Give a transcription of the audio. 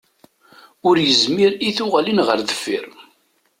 Ur yezmir i tuɣalin ɣer deffir.